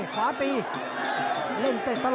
ตอนนี้มันถึง๓